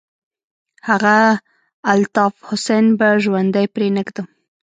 هغه الطاف حسين به ژوندى پرې نه ږدم.